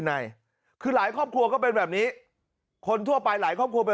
ในคือหลายครอบครัวก็เป็นแบบนี้คนทั่วไปหลายครอบครัวเป็น